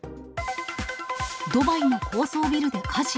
ドバイの高層ビルで火事。